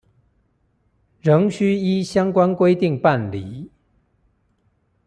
仍須依相關規定辦理